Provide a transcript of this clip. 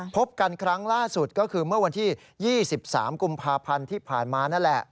พบกันครั้งล่าสุดก็คือเมื่อวันที่๒๓กุมภาพันธ์ที่ผ่านมานั่นแหละ